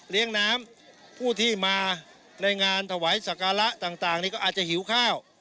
น้ำผู้ที่มาในงานถวายสักการะต่างนี่ก็อาจจะหิวข้าว